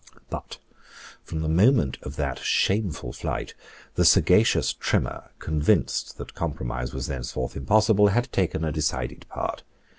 But, from the moment of that shameful flight, the sagacious Trimmer, convinced that compromise was thenceforth impossible, had taken a decided part.